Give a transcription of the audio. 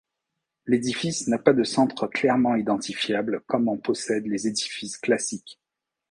L'édifice n'a pas de centre clairement identifiable comme en possèdent les édifices classiques.